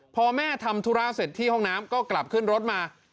พอแม่ทำธุระเสร็จที่ห้องน้ำก็กลับขึ้นรถมา